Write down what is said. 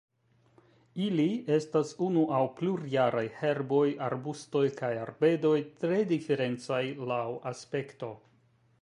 Ili estas unu aŭ plurjaraj herboj, arbustoj kaj arbedoj tre diferencaj laŭ aspekto.